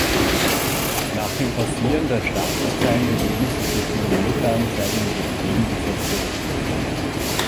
Nach dem Passieren der Statuszeilen bewegen sich die Kilometeranzeigen in die entgegengesetzte Richtung.